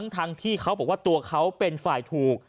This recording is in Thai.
ทั้งที่เขาบอกว่าตัวเขาเป็นฝ่ายถูก